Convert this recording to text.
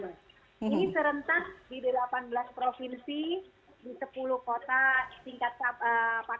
ini serentak di delapan belas provinsi di sepuluh kota tingkat kabupaten di indonesia diadakan